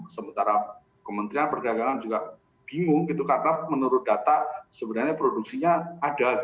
sementara kementerian perdagangan juga bingung karena menurut data sebenarnya produksinya ada